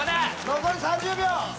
残り３０秒！